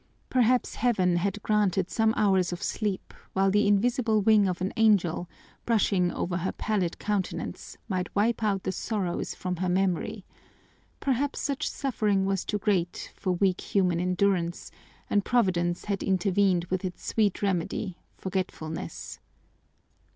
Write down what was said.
Perhaps Heaven had granted some hours of sleep while the invisible wing of an angel, brushing over her pallid countenance, might wipe out the sorrows from her memory; perhaps such suffering was too great for weak human endurance, and Providence had intervened with its sweet remedy, forgetfulness.